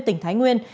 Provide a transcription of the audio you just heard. tỉnh thái nguyên